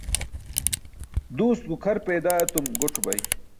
Duust gukʰar peydaa etum goc̣o bay